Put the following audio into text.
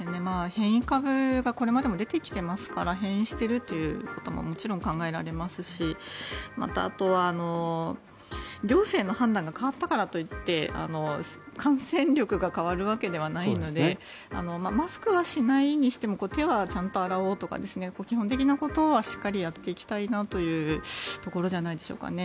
変異株がこれまでも出てきていますから変異しているということはもちろん考えられますしあとは、行政の判断が変わったからと言って感染力が変わるわけではないのでマスクはしないにしても手はちゃんと洗おうとか基本的なことはしっかりやっていきたいなというところじゃないですかね。